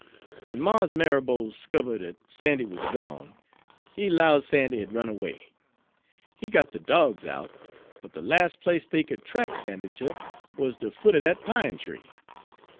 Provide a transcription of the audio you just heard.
"W'en Mars Marrabo 'skiver' dat Sandy wuz gone, he 'lowed Sandy had runned away. He got de dogs out, but de last place dey could track Sandy ter wuz de foot er dat pine tree.